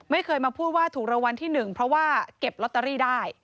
ไม่เคยมาพูดว่าถูกรางวัลที่๑เพราะว่าเก็บลอตเตอรี่ได้